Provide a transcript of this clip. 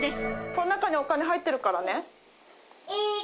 この中にお金入ってるからね。